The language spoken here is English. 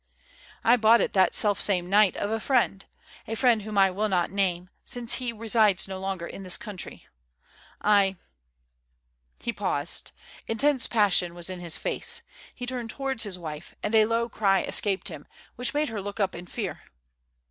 "I bought it that selfsame night of a friend; a friend whom I will not name, since he resides no longer in this country. I " He paused; intense passion was in his face; he turned towards his wife, and a low cry escaped him, which made her look up in fear.